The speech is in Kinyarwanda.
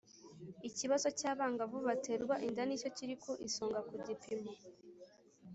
Icyibazo cy abangavu baterwa inda nicyo kiri ku isonga ku gipimo